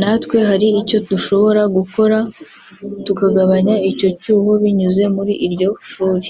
natwe hari icyo dushobora gukora tukagabanya icyo cyuho binyuze muri iryo shuri”